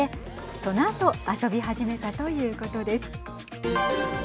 そのあと遊び始めたということです。